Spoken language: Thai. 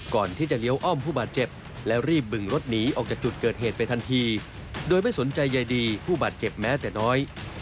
ก่อนที่จะเลี้ยวอ้อมผู้บาดเจ็บและรีบบึงรถหนีออกจากจุดเกิดเหตุไปทันทีโดยไม่สนใจใยดีผู้บาดเจ็บแม้แต่น้อย